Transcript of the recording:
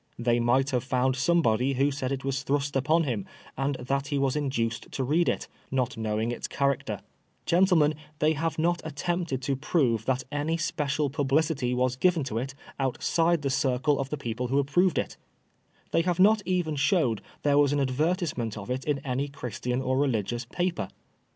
They might have even found somebody who said it was thrust upon him, and that he was induced to read it, not knowing its character^ Gentlemen, they have not attempted to prove that any special publicity was given to it outside the circle of the people who approved it They have not even shown there was an advertisement of it in any Christian or religious paper.